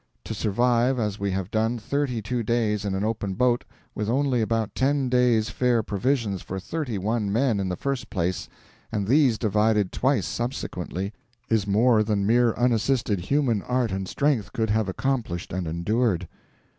To survive, as we have done, thirty two days in an open boat, with only about ten days' fair provisions for thirty one men in the first place, and these divided twice subsequently, is more than mere unassisted HUMAN art and strength could have accomplished and endured.